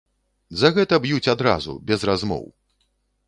За гэта б'юць адразу, без размоў.